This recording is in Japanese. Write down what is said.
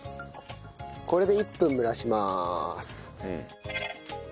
これで１分蒸らしまーす。